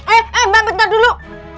eh mbak bentar dulu